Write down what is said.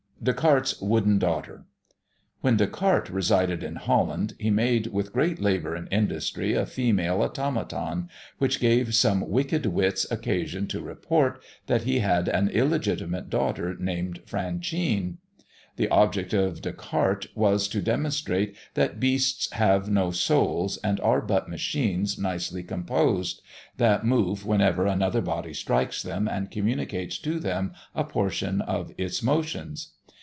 DESCARTES' WOODEN DAUGHTER. When Descartes resided in Holland, he made with great labour and industry a female automaton, which gave some wicked wits occasion to report that he had an illegitimate daughter, named Franchine. The object of Descartes was, to demonstrate that beasts have no souls, and are but machines nicely composed, that move whenever another body strikes them and communicates to them a portion of its motions.